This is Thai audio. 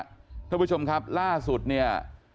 เมืองพัทธลุงนะครับเพื่อผู้ชมครับล่าสุดเนี่ย